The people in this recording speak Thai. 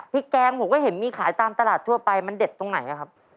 แกงผมก็เห็นมีขายตามตลาดทั่วไปมันเด็ดตรงไหนอะครับ